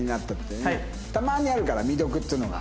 たまにあるから未読っていうのが。